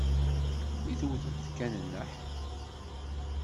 I tewtemt kan nneḥ?